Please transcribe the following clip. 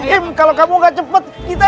em kalau kamu gak bisa menangin aku